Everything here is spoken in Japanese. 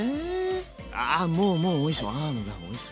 あもうもうおいしそう！